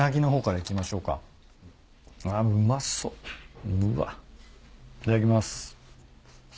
いただきます。